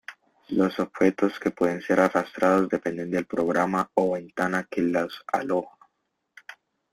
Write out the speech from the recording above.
Los objetos que pueden ser arrastrados depende del programa o ventana que los aloja.